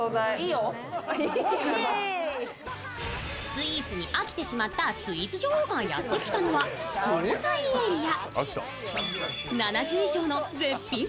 スイーツに飽きてしまったスイーツ女王がやってきたのは総菜エリア。